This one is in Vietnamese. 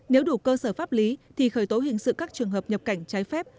nếu đủ cơ sở pháp lý thì khởi tố hình sự các trường hợp nhập cảnh trái phép